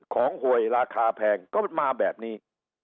หวยราคาแพงก็มาแบบนี้